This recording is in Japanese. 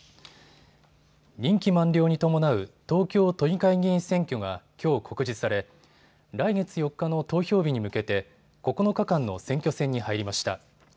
任期満了に伴う東京都議会議員選挙がきょう告示され、来月４日の投票日に向けて９日間の選挙戦に入りました。